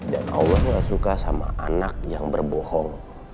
allah gak suka sama anak yang berbohong